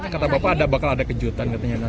kata bapak bakal ada kejutan katanya